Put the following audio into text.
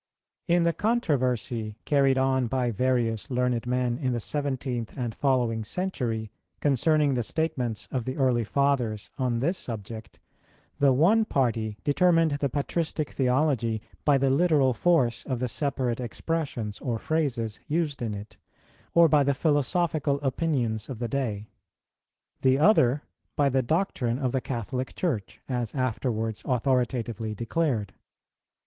In the controversy carried on by various learned men in the seventeenth and following century, concerning the statements of the early Fathers on this subject, the one party determined the patristic theology by the literal force of the separate expressions or phrases used in it, or by the philosophical opinions of the day; the other, by the doctrine of the Catholic Church, as afterwards authoritatively declared.